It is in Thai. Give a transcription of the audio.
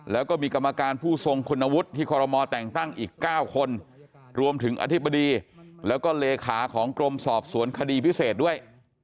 แล้วก็มีกรรมการผู้ทรงคุณวุฒิที่คอรมอแต่งตั้งอีก๙คนรวมถึงอธิบดีแล้วก็เลขาของกรมสอบสวนคดีพิเศษด้วย